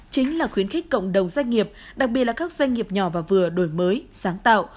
chính là khuyến khích cộng đồng doanh nghiệp đặc biệt là các doanh nghiệp nhỏ và vừa đổi mới sáng tạo